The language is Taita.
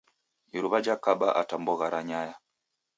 Iruw'a jakaba ata mbogha ranyaya.